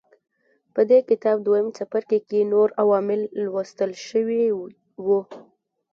په دې کتاب دویم څپرکي کې نور عوامل لوستل شوي وو.